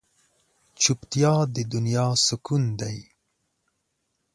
چوپتیا، د دنیا سکون دی.